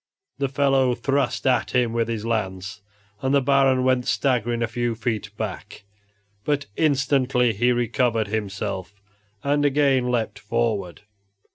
The fellow thrust at him with his lance, and the Baron went staggering a few feet back, but instantly he recovered himself and again leaped forward.